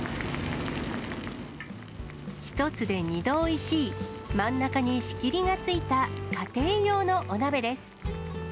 １つで２度おいしい、真ん中に仕切りがついた家庭用のお鍋です。